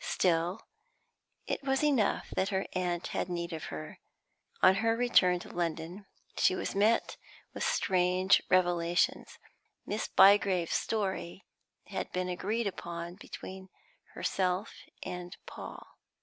Still, it was enough that her aunt had need of her. On her return to London, she was met with strange revelations. Miss Bygrave's story had been agreed upon between herself and Paul.